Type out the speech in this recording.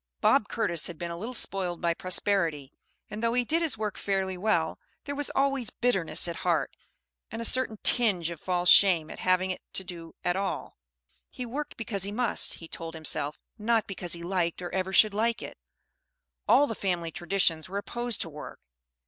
Bob Curtis had been a little spoiled by prosperity; and though he did his work fairly well, there was always a bitterness at heart, and a certain tinge of false shame at having it to do at all. He worked because he must, he told himself, not because he liked or ever should like it. All the family traditions were opposed to work.